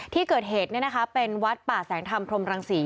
ที่เกิดเหตุเนี่ยนะคะเป็นวัดป่าแสงธรรมพรังศรี